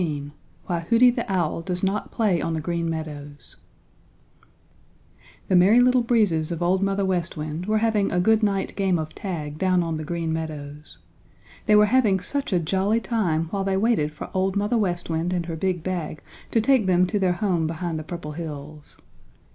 XIV WHY HOOTY THE OWL DOES NOT PLAY ON THE GREEN MEADOWS The Merry Little Breezes of Old Mother West Wind were having a good night game of tag down on the Green Meadows. They were having such a jolly time while they waited for Old Mother West Wind and her big bag to take them to their home behind the Purple Hills.